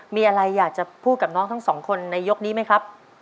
มีอะไรอยากจะพูดกับน้องทั้งสองคนในยกนี้ไหมครับ